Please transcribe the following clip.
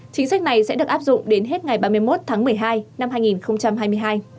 chính sách này sẽ được áp dụng đến hết ngày ba mươi một tháng một mươi hai năm hai nghìn hai mươi hai